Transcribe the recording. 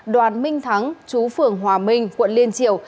đoàn minh thắng chú phường hòa minh quận liên triều